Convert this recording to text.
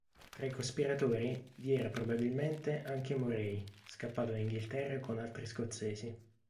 Tra i cospiratori vi era probabilmente anche Moray, scappato in Inghilterra con altri scozzesi.